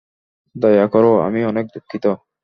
দয়া করো, আমি অনেক দুঃখিত।